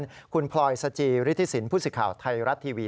คุณคุณพลอยซาจิฤทธิสินผู้ศิกข่าวไทยรัตร์ทีวี